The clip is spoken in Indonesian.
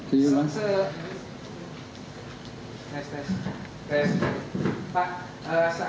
seandainya sudah sampai ke persidangan